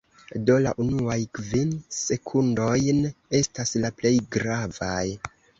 Do la unuaj kvin sekundojn estas la plej gravaj